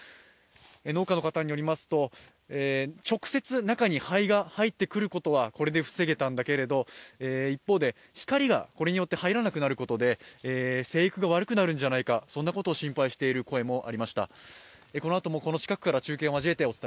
農家の方によりますと、直接中に入ってくることは防げたんだけれども、一方でこれによって入らなくなることで生育が悪くなるんじゃないか、そんなことを心配している声もありました。